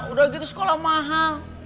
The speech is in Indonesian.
udah gitu sekolah mahal